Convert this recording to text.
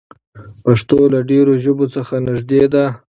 پښتو له ډېرو ژبو څخه نږدې ده.